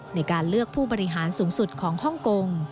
ในการเลือกผู้บริหารสูงสุดของฮ่องกง